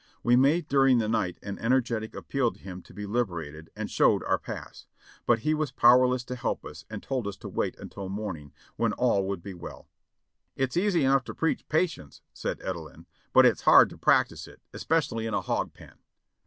We made during the night an energetic appeal to him to be liberated, and showed our pass ; but he Vv as powerless to help us and told us to wait until morning, when all would be well. "It's easy enough to preach patience." said Edelin, "but it's hard to practice it, especially in a hog pen."